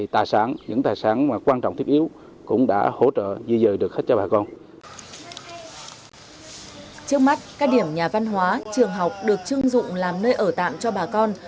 trước mắt các điểm nhà văn hóa trường học được chưng dụng làm nơi ở tạm cho bà con